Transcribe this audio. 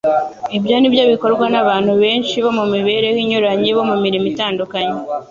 Ibyo nibyo bikorwa n’abantu benshi bo mu mibereho inyuranye bo mu mirimo itandukanye,